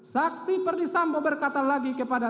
saksi perdisambo berkata lagi kepada